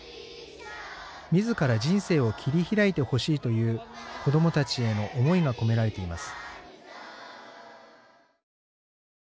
「みずから人生を切り開いてほしい」という子どもたちへの思いが込められています。